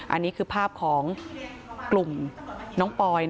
อันนี้คือภาพของกลุ่มน้องปอย